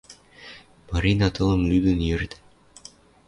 Марина тылым лӱдӹн йӧртӓ